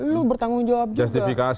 lu bertanggung jawab juga